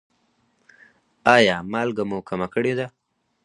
ایا مالګه مو کمه کړې ده؟